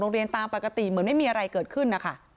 โรงเรียนตามปกติเหมือนจะไม่มีอะไรเกิดขึ้น